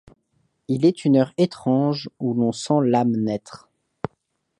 Il est une heure étrange où l'on sent l'âme naître.